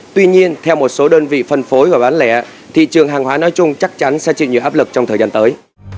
tuy nhiên theo một số đơn vị phân phối và bán lẻ thị trường hàng hóa nói chung chắc chắn sẽ chịu nhiều áp lực trong thời gian tới